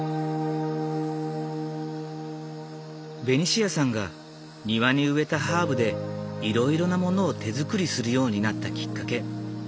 ベニシアさんが庭に植えたハーブでいろいろなものを手づくりするようになったきっかけ。